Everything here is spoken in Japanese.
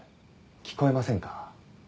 聞こえませんか？